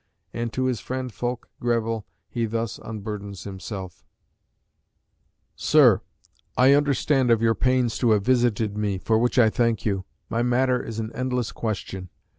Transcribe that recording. And to his friend Fulke Greville he thus unburdens himself: "SIR, I understand of your pains to have visited me, for which I thank you. My matter is an endless question.